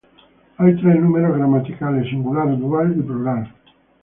Hay tres números gramaticales: singular, dual y plural.